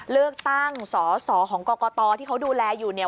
เลือกตั้งสอสอของกรกตที่เขาดูแลอยู่เนี่ย